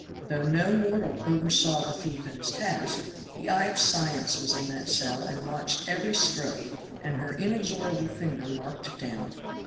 Though no mortal oversaw the thief at his task, the eye of science was in that cell and watched every stroke and her inexorable finger marked it down.